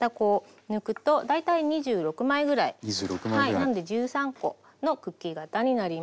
なので１３コのクッキー型になります。